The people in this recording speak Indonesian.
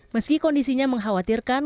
meski kondisinya mengkhawatirkan